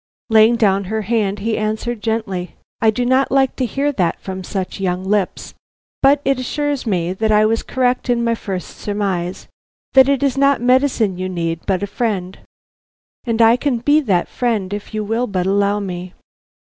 Laying down her hand, he answered gently: "I do not like to hear that from such young lips, but it assures me that I was correct in my first surmise, that it is not medicine you need but a friend. And I can be that friend if you will but allow me."